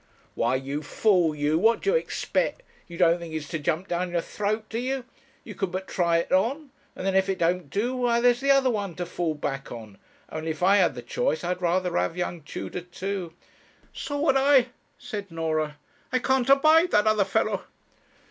'Why, you fool you, what do you expect? You don't think he's to jump down your throat, do you? You can but try it on; and then if it don't do, why there's the other one to fall back on; only, if I had the choice, I'd rather have young Tudor, too.' 'So would I,' said Norah; 'I can't abide that other fellow.'